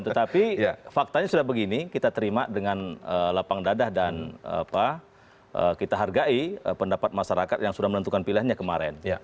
tetapi faktanya sudah begini kita terima dengan lapang dadah dan kita hargai pendapat masyarakat yang sudah menentukan pilihannya kemarin